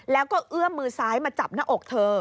แล้วก็เอื้อมมือซ้ายมาจับหน้าอกเธอ